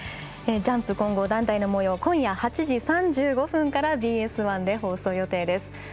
ジャンプ混合団体のもよう今夜８時３５分からＢＳ１で放送予定です。